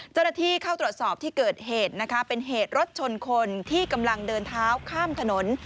เจ้าหน้าที่เข้าตรวจสอบที่เกิดเหตุนะคะเป็นเหตุรถชนคนที่กำลังเดินเท้าข้ามถนน